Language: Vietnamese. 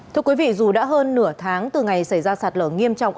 thưa quý vị dù đã hơn nửa tháng từ ngày xảy ra sạt lở nghiêm trọng